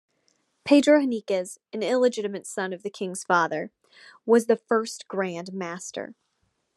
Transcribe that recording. Pedro Henriques, an illegitimate son of the King's father, was the first grand master.